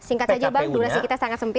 singkat saja bang durasi kita sangat sempit